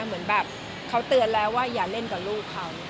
เหมือนควัลย์เขาเตือนแล้วว่าอย่าเล่นกับลูกครัว